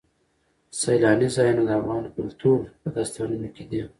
سیلاني ځایونه د افغان کلتور په داستانونو کې دي.